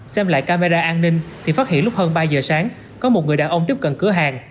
xem lại camera an ninh thì phát hiện lúc hơn ba giờ sáng có một người đàn ông tiếp cận cửa hàng